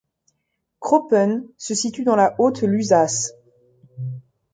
Kroppen se situe dans la Haute-Lusace.